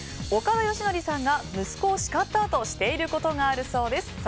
岡田義徳さんが息子を叱ったあとしていることがあるそうです。